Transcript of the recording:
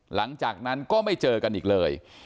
หลังจากนั้นก็ไม่เจอกันอีกเลย